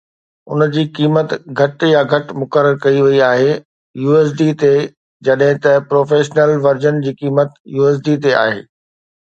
ان جي قيمت گهٽ يا گهٽ مقرر ڪئي وئي آهي USD تي جڏهن ته پروفيشنل ورزن جي قيمت USD تي آهي